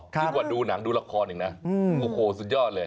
ยิ่งกว่าดูหนังดูละครอีกนะโอ้โหสุดยอดเลย